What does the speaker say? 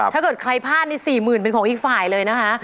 ถ้าเกิดใครพลาดนี่๔๐๐๐เป็นของอีกฝ่ายเลยนะคะ